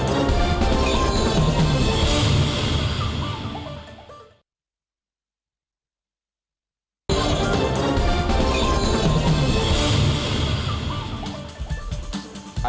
ada pernyataan yang dinilai selalu menyerang pansus dari jurubicara